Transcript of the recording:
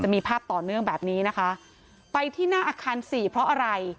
มีภาพต่อเนื่องแบบนี้นะคะไปที่หน้าอาคารสี่เพราะอะไร